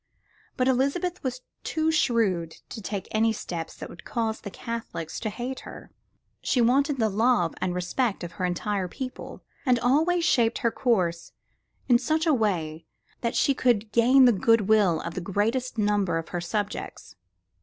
But Elizabeth was too shrewd to take any steps that would cause the Catholics to hate her. She wanted the love and respect of her entire people, and always shaped her course in such a way that she could gain the good will of the greatest number of her subjects.